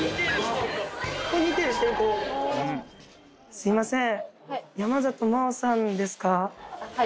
すいません。